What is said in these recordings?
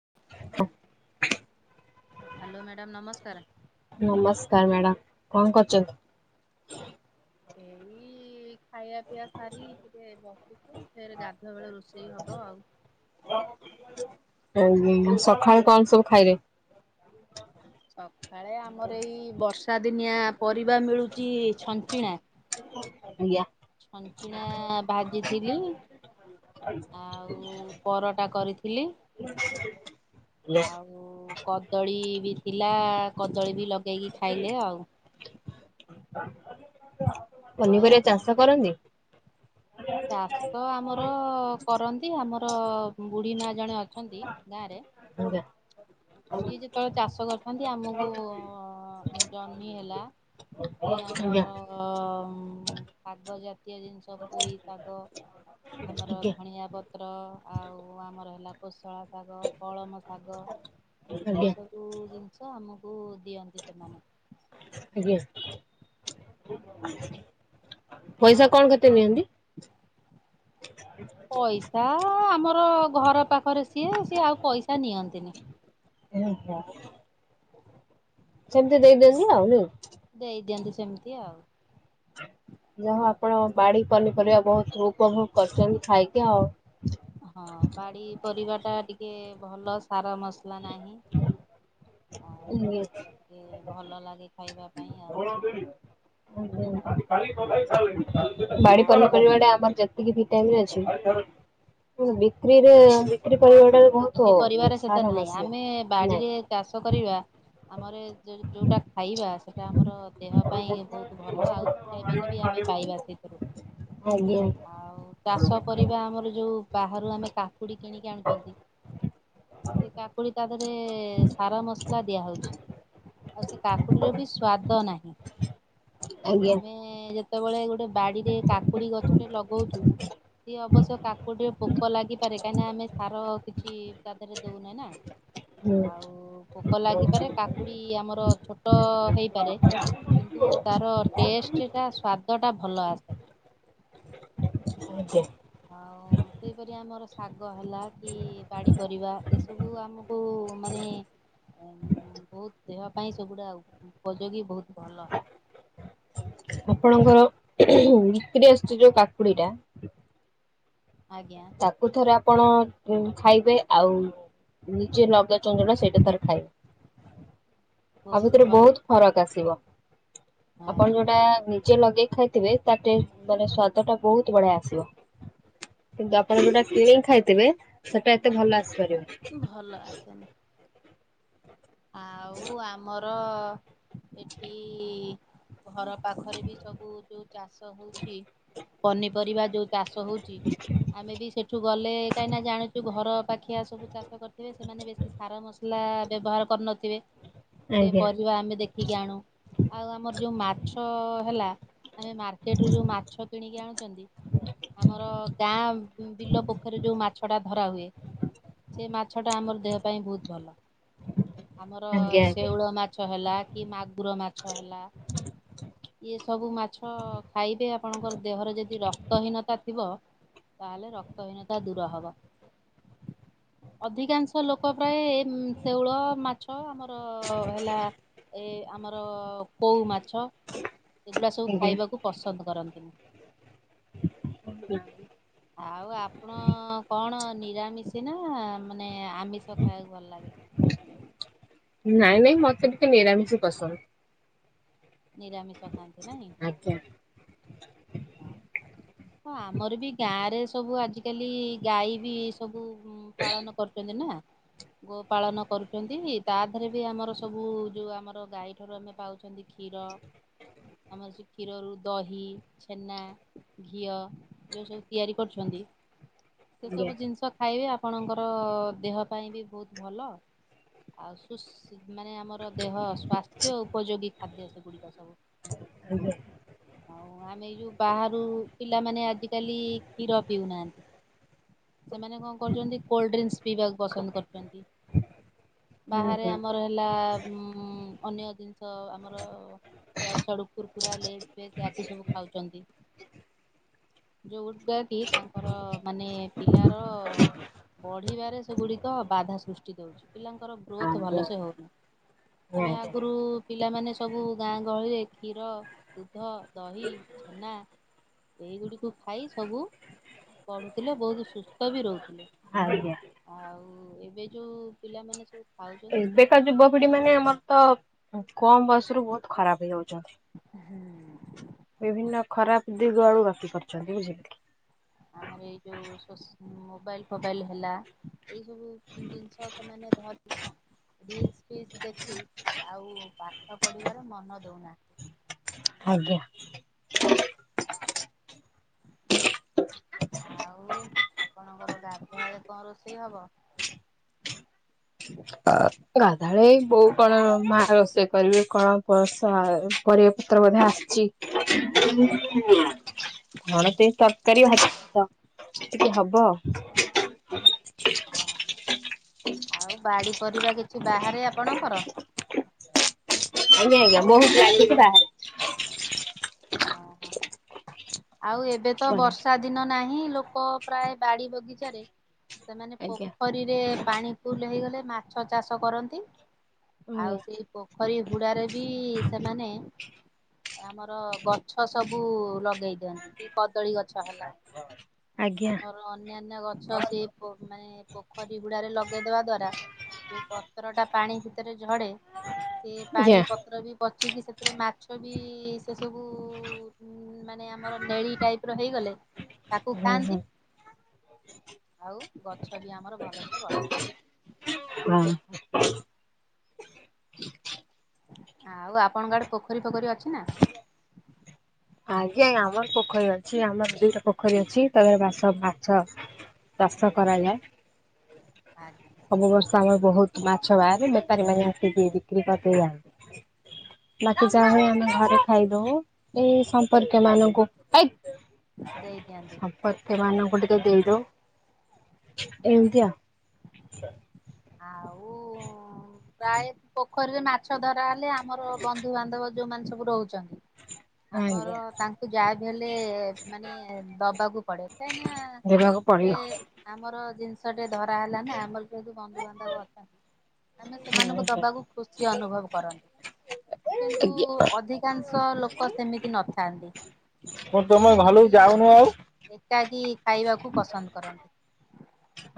[inaudible] Hello madam ନମସ୍କାର। ନମସ୍କାର madam. କଣ କରୁଚନ୍ତି? ଏଇ ଖାଇବା ପିଇବା ସାରି ଟିକେ ବ ସିଚି ଫେରେ ଗାଧୁଆ ବେଳ ରୋଷେଇ ହବ ଆଉ। ସଖାଳେ କଣ ସବୁ ଖାଇଲେ? ସକାଳେ ଆମର ଏଇ ବର୍ଷା ଦିନିଆ ପରିବା ମିଳୁଚି ଛଞ୍ଚିଣା ଆଜ୍ଞା। ଛଞ୍ଚିଣା ଭାଜିଥିଲି। ଆଉ ପରଟା କରିଥିଲି। [inaudible] ଆଉ କଦଳୀ ବି ଥିଲା କଦଳୀ ବି ଲଗେଇକି ଖାଇଲେ ଆଉ। ଆଉ ପନିପରିବା ଆପଣ ଚାଷ କରନ୍ତି? ଚାଷ ଆମର କରନ୍ତି ଆମର ବୁଢୀ ମା ଜଣେ ଅ ଅଛନ୍ତି ଗାଁରେ ଆଜ୍ଞା ସିଏ ଯେତେବେଳେ ଚାଷ କରିଥାନ୍ତି ଆମକୁ ଉ ଉ ଜହ୍ନି ହେଲା ସିଏ ଆଜ୍ଞା ଆଜ୍ଞା ଆମର ଶାଗ ଜାତୀୟ ଜିନିଷ ପୋଇ ଶାଗ ଆମର ଧଣିଆ ପତ୍ର ଆଉ ଆମର ହେଲା କୋଶଳା ଶାଗ କଳମ ଶାଗ ଏଇ ଆଜ୍ଞା ସବୁ ଜିନିଷ ଆମକୁ ଦିଅନ୍ତି ସେମାନେ। ଆଜ୍ଞା। ପଇସା ଆଉ କଣ କେତେ [inaudible] ପଇସା ଆମର ଘର ପାଖରେ ସିଏ ସିଏ ଆଉ ପଇସା ନିଅନ୍ତିନି। ଓହୋ। ସେମିତି ଦେଇ ଦିଅନ୍ତି ଆଉ ନେଇ। ଦେଇ ଦିଅନ୍ତି ସେମିତି ଆଉ। ଯାହା ହଉ ଆପଣ ଆଉ ବାଡି ପନିପରିବା ବହୁତ ଉପଭୋଗ କରୁଚନ୍ତି ଖାଇକି ଆଉ। ହଁ ଅଁ ବାଡି ପରିବା ଟା ଟିକେ ଭଲ ସାର ମସ୍ ଲା ନାହିଁ ଆଉ ଟିକେ ଭଲ ଲାଗେ ଖାଇବା ପାଇଁ। ଆଉ। ବାଡି ପନିପରିବା ଆଉ ଟା ଆମର ଯେ ତିକି ଭିଟାମିନି ଅଛି କିନ୍ତୁ ବିକ୍ରିରେ ବିକ୍ରି କରିବା ବିକ୍ରି ପରିବାର ସେତେ ନାହିଁ ଆମେ ଏ ନାଇଁ। ବାଡିରେ ଚାଷ କରିବା ଆମର ଯୋଉଟା ଖାଇବା ସେଇଟା ଆମର ଦେହ ପାଇଁ ବହୁତ ଭଲ ଆଉ ଭିଟାମିନି ବି ଆମେ ପାଇବା ସେଇଥିରୁ। ଆଜ୍ଞା ଆଉ ଚାଷ କରିବା ଆମର ଯୋଉ ବାହାରୁ ଆମେ କାକୁଡି କିଣିକି ଆଣୁଛନ୍ତି ସେ କାକୁଡି ତା ଦେରେ ସାର ମସ ଦିଆ ହେଉଛି ଆଉ ସେ କାକୁଡିର ବି ସ୍ଵାଦ ନାହିଁ। ଆଜ୍ଞା ଆମେ ଆମେ ଯେତେବେଳେ ଗୋଟେ ବାଡିରେ କାକୁଡି ଗଛଟେ ଲଗଉଛୁ ସିଏ ଅବଶ୍ୟ କାକୁଡିରେ ପୋକ ଲାଗିପାରେ କାହିଁକିନା ଆମେ ସାର କିଛି ତା ଦେରେ ଦେଉନେ ନା ହୁଁ ଆଉ ପୋକ ଲାଗିପାରେ କାକୁଡି ଆମର ଛୋଟ ହେଇପାରେ। କିନ୍ତୁ ତାର ଟେଷ୍ଟ ଟା ସ୍ଵାଦ ଟା ଭଲ ଆସେ। ଆଉ ଆଜ୍ଞା ସେହିପରି ଆମର ଶାଗ ହେଲା କି ବାଡ଼ି ପରିବା ଏସବୁ ଆମକୁ ମାନେ ବହୁତ ଦେହ ପାଇଁ ସେଗୁଡ଼ା ଉପଯୋଗୀ ବହୁତ ଭଲ। ଆପଣଙ୍କର ବିକିରି ଆସୁଛି ଯୋଉ କାକୁଡି ଟା ଆଜ୍ଞା। ତାକୁ ଥରେ ଆପଣ ଖାଇବେ ଆଉ ନିଜେ ଲଗାଇଛନ୍ତି ଯୋଉଟା ସେଇଟା ଥରେ ଖାଇବେ। ଆ ବହୁତ ଭିତରେ ଭଲ ବହୁତ ଫରକ ଆସିବ ଆପଣ ଆଜ୍ଞା ଯୋଉଟା ନିଜେ ଲଗେଇ ଖାଇ ଥିବେ ତାଟ ଟେଷ୍ଟ ମାନେ ସ୍ଵାଦ ଟା ବହୁତ ବଢିଆ ଆସିବ। କିନ୍ତୁ ଆପଣ ଯୋଉଟା କିଣିକି ଖାଇଥିବେ ସେଟା ଏତେ ଭଲ ଆସିପାରିବନି। ଭଲ ଆସେନି। ଆଉ ଆମର ଏଠି ଘର ପାଖରେ ବି ସବୁ ଯୋଉ ଚାଷ ହଉଛି ପନିପରିବା ଯୋଉ ଚାଷ ହଉଛି ଆମେ ବି ସେଠୁ ଗଲେ କାହିଁକି ନା ଜାଣିୁଛୁ ଘର ପାଖିଆ ସବୁ ଚାଷ କରିଥିବେ ସେମାନେ ବେଶୀ ସାର ମସ ଲା ବ୍ୟବହାର କରିନଥିବେ। ସେ ଆଜ୍ଞା ପରିବା ଆମେ ଦେଖ ଖିକି ଆଣୁ ଆଉ ଆମର ଯଉଁ ମାଛ ହେଲା ଆମେ ମାର୍କେଟରୁ ଯୋଉ ମାଛ କିଣିକି ଆଣୁଛନ୍ତି ଆମର ଗାଁ ବିଲ ପୋଖରୀ ଯୋଉ ମାଛଟା ଧରା ହୁଏ ସେ ମାଛଟା ଆମର ଦେହ ପାଇଁ ବହୁତ ଭଲ। ଆମର ଆଜ୍ଞା ଆଜ୍ଞା ଶେଉଳ ମାଛ ହେଲା କି ମାଗୁର ମାଛ ହେଲା ଇଏ ସବୁ ମାଛ ଖାଇବେ ଆପଣଙ୍କର ଦେହରେ ଯଦି ରକ୍ତହୀନତା ଥିବ ତାହେଲେ ରକ୍ତହୀନତା ଦୂର ହବ। ଅଧିକାଂଶ ଲୋକ ପ୍ରାୟେଏ ଶେଉଳ ମା ମାଛ ଆମର ହେଲା ଏ ଆମର କଉ ମାଛ ଏଗୁଡ଼ା ସବୁ ଆଜ୍ଞା। ଖାଇବାକୁ ପସନ୍ଦ କରନ୍ତିନି। [inaudible] ଆଉ ଆପଣ କଣ ନିରାମିଶୀ ନା ମାନେ ଆମିଷ ଖାଇବାକୁ ଭଲ ଲାଗେ। ନାଇଁ ନାଇଁ ମତେ ଟିକେ ନିରାମିଷ ପସନ୍ଦ। ନିରାମିଷ ଖାଆନ୍ତି ନାଇଁ। ଆଜ୍ଞା। ହଁ ଆମର ବି ଗାଁରେ ସବୁ ଆଜିକାଲି ଗାଈ ବି ସବୁ ପାଳନ କରୁଛନ୍ତି ନା। ଗୋ ପାଳନ କରୁଛନ୍ତି। ତା ଦେହରେ ବି ଆମର ସବୁ ଯୋଉ ଆମର ଗାଈ ଠାରୁ ଆମେ ପାଉଛନ୍ତି କ୍ଷୀର ଆମର ସେ କ୍ଷୀରରୁ ଦହି ଛେନା, ଘିଅ ଯେଉଁ ସବୁ ତିଆରି କରୁଛନ୍ତି ସେ ଆଜ୍ଞା ସବୁ ଜିନିଷ ଖାଇବେ ଆପଣଙ୍କର ଦେହ ପାଇଁ ବି ବହୁତ ଭଲ। ଆଉ ସୁସ ମାନେ ଆମର ଦେହ ସ୍ୱାସ୍ଥ୍ୟ ଉପଯୋଗୀ ଖାଦ୍ୟ ସେଗୁଡିକ ସବୁ। ଆଉ ଆମେ ଯଉ ବାହାରୁ ପିଲାମାନେ ଆଜିକାଲି କ୍ଷୀର ପିଉନାହାନ୍ତି। ସେମାନେ କଣ କରୁଛନ୍ତି କୋଲ୍ଡ ଡ୍ରିଙ୍କସ ପିଇବାକୁ ପସନ୍ଦ କରୁଛନ୍ତି। ହୁଁ ବାହାରେ ହୁଁ ଆମର ହେଲା ଅନ୍ୟ ଜିନିଷ ଆମର ଇଆଡୁ ସିଆଡ଼ୁ କୁରୁକୁରା ଲେଜ ଫେଜ ଏଆକୁ ସବୁ ଖାଉଛନ୍ତି। ଯୋଉଟାକି କି ତାଙ୍କର ମାନେ ପିଲାର ବଢିବାରେ ସେଗୁଡିକ ବାଧା ସୃଷ୍ଟି ଦଉଛି ପିଲାଙ୍କର ଗ୍ରୋଥ ଆଜ୍ଞା ଭଲସେ ହଉନି। ଆମେ ଆଜ୍ଞା। ଆଗରୁ ପିଲାମାନେ ସବୁ ଗାଁ ଗହଳିରେ କ୍ଷୀର ଦୁଧ, ଦହି, ଛେନା ଏଇଗୁଡ଼ିକୁ ଖାଇ ସବୁ ପଢ଼ୁଥିଲେ, ବହୁତ ସୁସ୍ଥ ବି ରହୁଥିଲେ। ଆଜ୍ଞା। ଆଉ ଏବେ ଯୋଉ ପିଲାମାନେ ସବୁ ଖାଉଛନ୍ତି ଏବେକା ଯୁବପିଢି ମାନେ ଆମର ତ କମ ବୟସ ରୁ ବହୁତ ଖରାପ ହେଇଯାଉଛନ୍ତି। ହୁଁ। ବିଭିନ୍ନ ଖରାପ ଦିଗ ଆଡକୁ ଗତି କରିଛନ୍ତି ବୁଝିିଲେ କି? ଆମର ଏଇ ଯୋଉ ସୋସ୍ ମୋବାଇଲ୍ ଫୋବାଇଲ୍ ହେଲା ଏଇ ସବୁ ଜିନିଷ ସେମାନେ ଧରି ରିଲସ୍ ଫିଲ୍ସ ଦେଖି ଆଉ ପାଠ ପଢିବାର ମନ ଦଉନାହା ଆଜ୍ଞା। ଆଉ ଆପଣଙ୍କର ଗାଧୁଆ ବେଳେ କଣ ରୋଷେଇ ହବ? ଗାଧୁଆବେଳେ ଏଇ ବୋଉ କଣ ମା ରୋଷେଇ କରିବେ କଣ ପସ ହାଏ ପରିବା ପତ୍ର ବୋଧେ ଆସିଛି। କଣ ସେ ତରକାରୀ ହବ ଟିକେ ହବ। ଓ ହୋ, ଆଉ ବାଡ଼ି ପରିବା କିଛି ବାହାରେ ଆପଣଙ୍କର? ଆଜ୍ଞା, ଆଜ୍ଞା ବହୁତ ଲାଗିଛି ବାହାରେ। ଓ, ହଁ, ହଁ ଆଉ ଏବେ ତ କୁହନି ବର୍ଷା ଦିନ ନାହିଁ ଲୋକ ପ୍ରାୟ ବାଡି ବଗିଚାରେ ସେମାନେ ଆଜ୍ଞା। ପୋଖରୀ ପିରେ ପାଣି ଫୁଲ ହେଇଗଲେ ମାଛ ଚାଷ କରନ୍ତି, ଆଉ ଆଜ୍ଞା ସେଇ ପୋ ଖରୀ ହୁଡାରେ ବି ସେମାନେ ଆମର ଗଛ ସବୁ ଲଗେଇ ଦିଅନ୍ତି କି କଦଳୀ ଗଛ ହେଲା ଆମର ଆଜ୍ଞା ର ଅନ୍ୟାନ୍ୟ ଗଛ ସେ ପ-ମାନେ ପୋଖରୀ ହୁଡ଼ା ରେ ଲଗେଇଦବା ଦ୍ଵାରା ଯୋଉ ପତ୍ର ଟା ପାଣି ଭିତରେ ଝଡେ ସେ ପାଣି ପତ୍ର ବି ପଚିକି ସେଥିରେ ମାଛ ବି ସେ ସବୁ ଉ, ମାନେ ଆମର ନେଳି ଟାଇପ୍ ର ହେଇଗଲେ ତାକୁ ହୁଁ ହୁଁ। ଖାଆନ୍ତି। ଆଉ ଗଛ ବି ଆମର ଭଲସେ ବଢ଼େ। ହଁ ଆଉ ଆପଣଙ୍କ ଆଡେ ପୋଖରୀ ଫୋଖରୀ ଅଛି ନା? ଆଜ୍ଞା ଆମର ପୋଖରୀ ଅଛି ଆମର ଦିଟା ପୋଖରୀ ଅଛି ତଳେ ବାସ ମାଛ ଚାଷ କରାଯାଏ। ଆଜ୍ଞା। ସବୁ ବର୍ଷ ଆମର ବହୁତ ମାଛ ବାହାରେ, ବେପାରୀ ମାନେ ବି-ବିକ୍ରି କରିଦେଇ ଯଆନ୍ତି। ବାକି ଯା ହଉ ଆମେ ଘରେ ଖାଇଦଉ, ଏଇ ସମ୍ପର୍କୀୟ ମାନଙ୍କୁ ଏ ଦେଇଦିଅନ୍ତି। ପତିମାନଙ୍କୁ ଟିକେ ଦେଇଦଉ ଏମିତି ଆଉ। ସା ଆଉ ହଁ। ପ୍ରାୟ ପୋଖରୀରେ ମାଛ ଧରା ହେଲେ ଆମର ବନ୍ଧୁ ବାନ୍ଧବ ଯୋଉମାନେ ସବୁ ରହୁଚନ୍ତି। ଆମର ଆଜ୍ଞା ତାଙ୍କୁ ଯାହାବି ହେଲେ ମାନେ ଦବାକୁ ପଡେ, କାହିଁ ନା ଦେବାକୁ ଗୋଟେ ପଡ଼ିବ। ଆମର ଜିନିଷ ଟେ ଧରା ହେଲା ନା ଆମର ଯେହେତୁ ବନ୍ଧୁବାନ୍ଧବ ଅଛନ୍ତି। ଆମେ ଆଜ୍ଞା ସେମାନଙ୍କୁ ଦବାକୁ ଖୁସି ଅନୁଭବ କରନ୍ତି, କିନ୍ତୁ ଆଜ୍ଞା। ଅଧି କାଂଶ ଲୋକ ସେମିତି ନଥାନ୍ତି, କଣ ତମେ ଯୋଉମାନେ ଘରକୁ କି ଯାଉନ ଆଉ? ଏକାକି ଖାଇବାକୁ ପସନ୍ଦ କରନ୍ତି।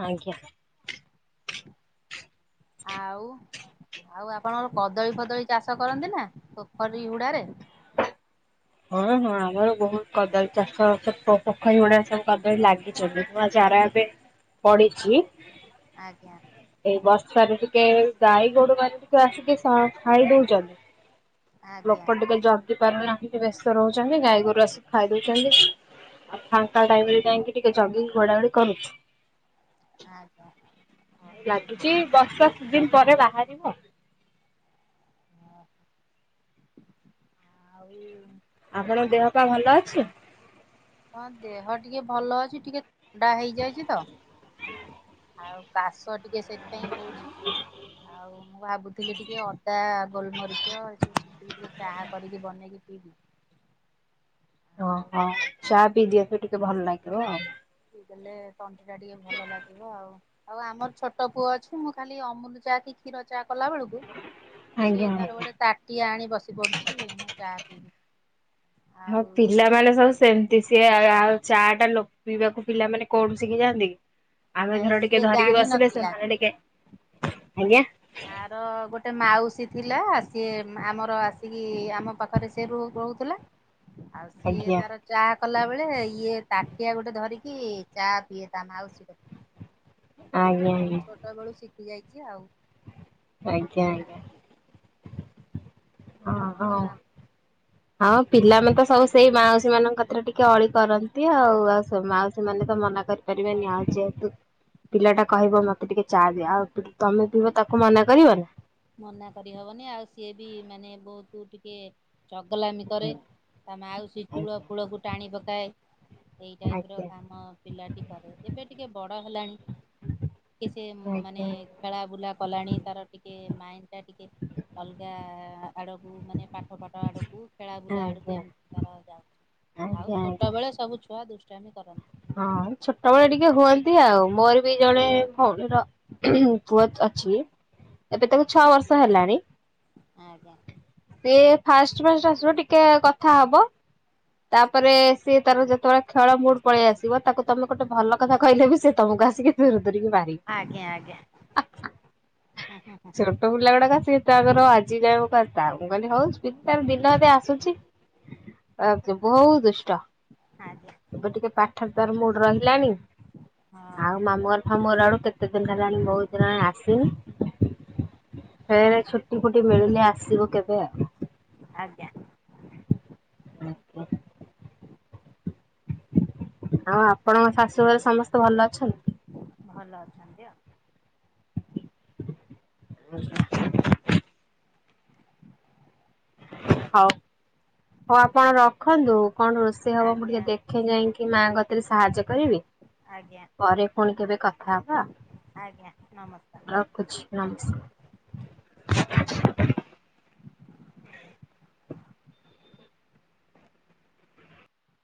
ଆଜ୍ଞା। ଆଉ। ଆଉ ଆପଣଙ୍କ କଦଳୀ ଫଦଳୀ ଚାଷ କରନ୍ତି ନା ପୋଖରୀ ହୁଡାରେ। ହଁ ହଁ ଆମର ବହୁତ କଦଳୀ ଚାଷ ପୋଖରୀ ହୁଡାରେ ସବୁ କଦଳୀ ଲାଗି ମୁ [unintelligible] ଆ ଯାରା ଏବେ ପଢିଛି ଆଜ୍ଞା। ଏଇ ବର୍ଷାରେ ଟିକେ ଗାଈ ଗୋରୁ ମାନେ ଟିକେ ଆସିକି ସ ଖାଇ ଦଉଚନ୍ତି। ଆଜ୍ଞା ଲୋକ ଟିକେ ଜଗି ପାରୁନାହାନ୍ତି ବ୍ୟସ୍ତ ରହୁଛନ୍ତି ଗାଈ ଗୋରୁ ଆସିକି ଖାଇ ଦୋଉଛନ୍ତି। ଆଉ ଫାଙ୍କା ଟାଇମରେ ଯାଇକି ଟିକେ ଜଗିକି ଘୋଡା ଘଡି କରୁଛୁ। ଆଜ୍ଞା। ଲାଗିଛି ବର୍ଷା ସିଜିନପରେ ବାହାରିବ। ଆଉ। ଆପଣ ଦେହ ପା ଭଲ ଅଛି। ହଁ ଦେହ ଟିକେ ଭଲ ଅଛି ଟିକେ ଥଣ୍ଡା ହେଇଯାଇଛି ତ। ଆଉ କାଶ ଟିକେ ସେଥିପାଇଁ ହଉଛି ଆଉ। ମୁଁ ଭାବୁଥିଲି ଟିକେ ଅଦା ଗୋଲମରିଚ ଏ ସବୁ ଛେଚିକି ଟିକେ ଚାହା କରିକି ବନେଇକି ପିଇବି। ଆଉ ଓହୋ ଚା ପିଇ ଦିଅନ୍ତୁ ଟିକେ ଭଲ ଲାଗିବ ଆଉ। ଦେଲେ ତଣ୍ଟିଟା ଟିକେ ଭଲ ଲାଗିବ ଆଉ। ଆଉ ଆମର ଛୋଟ ପୁଅ ଅଛି ମୁଁ ଖାଲି ଅମୁଲ ଚାହା କି କ୍ଷୀର ଚା କଲା ବେଳକୁ। ଆଜ୍ଞା ସିଏ ତାର ଆଜ୍ଞା। ଗୋଟେ ତାଟିଆ ଆଣି ବସି ପଡୁଛି ମୁଁ ଚା ପିଇବି। ହଁ ଆଉ ପିଲାମାନେ ସବୁ ସେମ୍ ସେ ଆଉ ଚା ଟା ଲୋକ ପିଇବାକୁ ପିଲାମାନେ କୋଉଠୁ ଶିଖି ଯାଆନ୍ତି କି। ଆମେ ନାଇଁ ଘର ଟିକେ ସିଏ ଧରିକି ଜାଣି ବସିଲେ ନଥିଲା ସେମାନେ ଟିକେ ଆଜ୍ଞା। ଆ ର ଗୋଟେ ମାଉସୀ ଥିଲା ସିଏ ଆମର ଆସିକି ଆମ ପାଖରେ ସେ ରୋ ରହୁଥିଲା। ଆଉ। ସିଏ ଆଜ୍ଞା ତାର ଚା କଲା ବେଳେ ଇଏ ତାଟିଆ ଗୋଟେ ଧରିକି ଚା ପିଏ ତା ମାଉସୀ କତୁରୁ। ଆଜ୍ଞା ସେ ଜେହେତୁ ଆଜ୍ଞା ଛୋଟ ବେଳୁ ଶିଖି ଯାଇଛି ଆଉ। ଆଜ୍ଞା ଆଜ୍ଞା। ହଁ ଆଉ ହଉ। ହଁ ପିଲାମାନେ ତ ସବୁ ସେଇ ମାଉସୀ ମାନଙ୍କ କଥାରେ ଟିକେ ଅଳି କରନ୍ତି ଆଉ ଆଉ ସବୁ ମାଉସୀ ମାନେ ତ ମନା କରିପାରିବେନି ହଁ ଆଉ ଯେହେତୁ। ପିଲା ଟା କହିବ ମତେ ଟିକେ ଚା ଦିଅ ଆଉ ତମେ ପିିଇବ ତାକୁ ମନା କରିବ ନି ନା। ମନା କରିହବନି ଆଉ ସିଏ ବି ମାନେ ବହୁତ ଟିକେ ଚଗଲାମି କରେ। ତା ମାଉସୀ ଚୂଳ ଆଜ୍ଞା ଫୁଳକୁ ଟାଣି ପକାଏ। ଏଇ ଟାଇପ ର ଆଜ୍ଞା କାମ ପିଲାଟି କରେ ଏବେ ଟିକେ ବଡ ହେଲାଣି। ଟିକେ ମାନେ ଆଜ୍ଞା ଖେଳା ବୁଲା କଲାଣି ତାର ଟି ଟିକେ ମାଇଣ୍ଡ ଟା ଟିକେ ଅଲଗା ଆଡକୁ ମାନେ ପା କବାଡ ଆଡକୁ ଖେଳା ବୁଲା ଆଡକୁ ଆଜ୍ଞା। ଏମିତି ତାର ଯାଉଛି ଆଉ ଆଜ୍ଞା ଛୋଟ ଆଜ୍ଞା ବେଳେ ସବୁ ଛୁଆ ଦୁ ଦୁଷ୍ଟାମୀ କରନ୍ତି। ହଁ ଛୋଟବେଳେ ଟିକେ ହୁଅନ୍ତି ଆଉ ମୋର ବି ଜଣେ ଭୋଉଣୀର ପୁଅ ଅଛି ଏବେ ତାକୁ ଛଅ ବର୍ଷ ହେଲାଣି। ଆଜ୍ଞା। ସେ ଫାଷ୍ଟ ଫାଷ୍ଟ ଆସିବ ଟିକେ କଥା ହବ ତାପରେ ସିଏ ତାର ଯେତେବେଳେ ଖେଳ ମୁଡ ପଳେଇ ଆସିବ ତାକୁ ତମେ ଗୋଟେ ଭଲ କଥା କହିଲେ ବି ସେ ତମକୁ ଆସିକି ଦୂରୁ ଦୂର କିି ବା ଆଜ୍ଞା ଆଜ୍ଞା। ହୁଁ ହୁଁ। [unintelligible] ଛୋଟ ପିଲା ଗୁଡାକ ତାପର ଆଜି ଯାକୁ କା ମୁଁ କହିଲି ହଉ ତାର ଦିନ ଏବେ ଆସୁଛି। [unintelligible] ଆ ବହୁତ ଦୁଷ୍ଟ। ଆଜ୍ଞା। ଏବେ ଟିକେ ପାଠ ତାର ମୁଡ ରହିଲାଣି। ଆଉ ହଁ ମାମୁଁ ଘର ମାମୁଁ ଘର ଆଡୁ କେତେ ଦିନ ହେଲାଣି ବହୁତ ଦିନ ହେଲାଣି ଆସିନି। ଫେରେ ଛୁ ଛୁଟି ଫୁଟି ମିଳିଲେ ଆସିବ କେବେ ଆଉ। ଆଜ୍ଞା। ଆଜ୍ଞା। ଆଉ ଆପଣଙ୍କ ଶାଶୁ ଘରେ ସମସ୍ତେ ଭଲ ଅଛନ୍ତି? ଭଲଅଛନ୍ତି ଆଉ। ହ [unintelligible] ହଉ, ହଉ ଆପଣ ରଖନ୍ତୁ। କଣ ରୋଷେଇ ହବ ମୁଁ ଆଜ୍ଞା ଟିକେ ଦେ ଖେ ଯାଇକି ମାଙ୍କ କତିରେ ସାହାଯ୍ୟ କରିବି। ଆଜ୍ଞା ପରେ ପୁଣି କେବେ କଥା ହବା। ଆଜ୍ଞା ନମସ୍କାର। ର ରଖୁଛି ନମସ୍